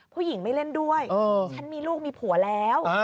ผู้หญิงไม่เล่นด้วยฉันมีลูกมีผัวแล้ว